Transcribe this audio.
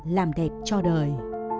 làm đẹp cho đời